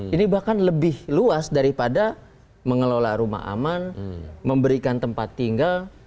ini bahkan lebih luas daripada mengelola rumah aman memberikan tempat tinggal